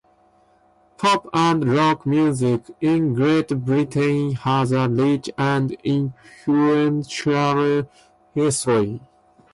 Pop and rock music in Great Britain has a rich and influential history.